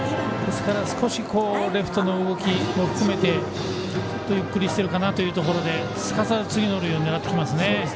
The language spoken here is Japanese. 少し、レフトの動きも含めてゆっくりしてるかなというところですかさず次の塁を狙ってきますね。